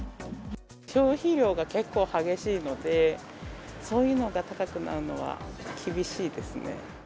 消費量が結構激しいので、そういうのが高くなるのは厳しいですね。